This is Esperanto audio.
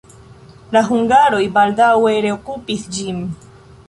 La hungaroj baldaŭe reokupis ĝin.